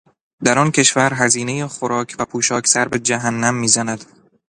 در آن کشور هزینهٔ خوراک و پوشاک سر به جهنم میزند.